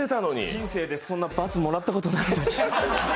人生で、そんな×もらったことないです。